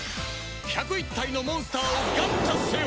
１０１体のモンスターをガッチャせよ！